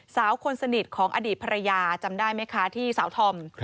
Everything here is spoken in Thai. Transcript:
สาวคนสนิทของอดีตภรรยาจำได้ไหมคะที่สาวธอม